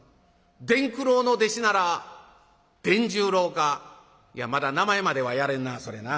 「伝九郎の弟子なら伝十郎かいやまだ名前まではやれんなそれな。